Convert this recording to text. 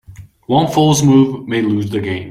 One false move may lose the game.